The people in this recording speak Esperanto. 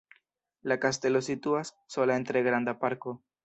La kastelo situas sola en tre granda parko.